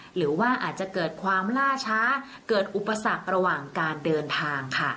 หรือว่าอาจจะเกิดความล่าช้าเกิดอุปสรรคระหว่างการเดินทางค่ะ